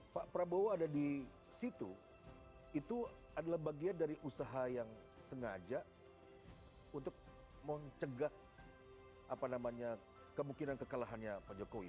pak prabowo ada di situ itu adalah bagian dari usaha yang sengaja untuk mencegah kemungkinan kekalahannya pak jokowi